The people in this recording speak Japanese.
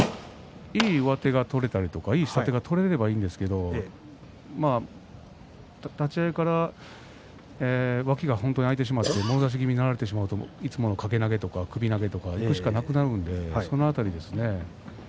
いい上手や下手が取れればいいんですけれども立ち合いから、脇が本当に空いてしまってもろ差し気味になられてしまうといつもの掛け投げや首投げとかしかなくなるのでその辺りですかね。